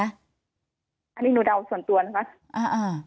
อันนี้หนูเดาส่วนตัวนะคะ